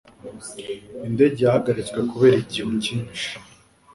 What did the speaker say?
Indege yahagaritswe kubera igihu cyinshi.